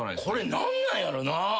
これ何なんやろな。